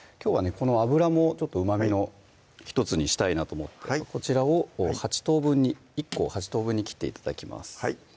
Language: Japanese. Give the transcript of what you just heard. この油もちょっとうまみの１つにしたいなと思ってこちらを８等分に１個を８等分に切って頂きます